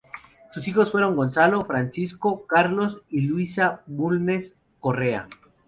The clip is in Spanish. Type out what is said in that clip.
Sus hijos fueron Gonzalo, Francisco, Carlos y Luisa Bulnes Correa.